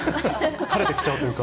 かれてきちゃうというか。